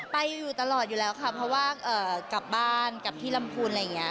ไปอยู่ตลอดอยู่แล้วค่ะเพราะว่ากลับบ้านกลับที่ลำพูนอะไรอย่างนี้